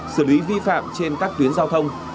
xử lý vi phạm trên các tuyến giao thông